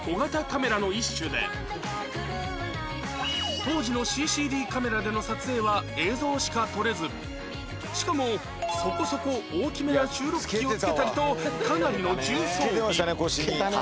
当時の ＣＣＤ カメラでの撮影は映像しか撮れずしかもそこそこ大きめな収録機をつけたりとかなりの重装備